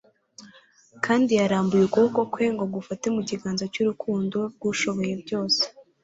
kandi yarambuye ukuboko kwe ngo gufate mu kiganza cy'urukundo rw'Ushobora byose.